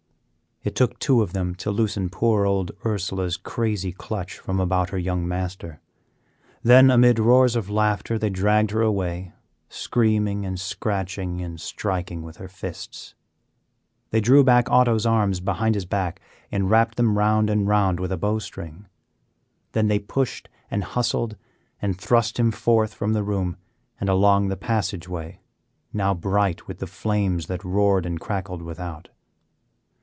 It took two of them to loosen poor old Ursela's crazy clutch from about her young master. Then amid roars of laughter they dragged her away, screaming and scratching and striking with her fists. They drew back Otto's arms behind his back and wrapped them round and round with a bowstring. Then they pushed and hustled and thrust him forth from the room and along the passageway, now bright with the flames that roared and crackled without.